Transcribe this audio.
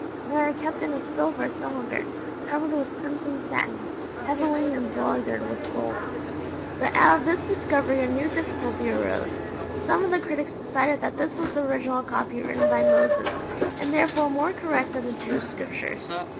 They are kept in a silver cylinder, covered with crimson satin, heavily embroidered with gold. But out of this discovery a new difficulty arose. Some of the critics decided that this was the original copy written by Moses, and therefore more correct than the Jewish Scriptures.